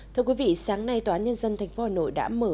thưa quý vị sáng nay tòa án nhân dân tp hà nội đã mở